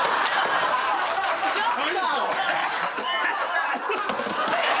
ちょっと！